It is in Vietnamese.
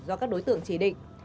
do các đối tượng chỉ định